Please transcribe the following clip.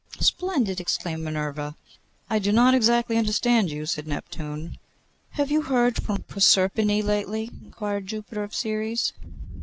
'Splendid!' exclaimed Minerva. 'I do not exactly understand you,' said Neptune. 'Have you heard from Proserpine, lately?' inquired Jupiter of Ceres.